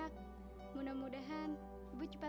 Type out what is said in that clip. sampai jumpa di video selanjutnya